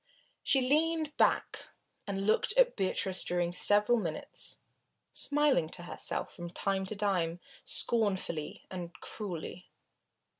She leaned back and looked at Beatrice during several minutes, smiling to herself from time to time, scornfully and cruelly.